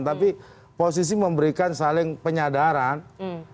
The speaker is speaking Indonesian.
tapi posisi memberikan kemampuan untuk kita mencapai kemampuan yang berbeda di dalam kerajaan kita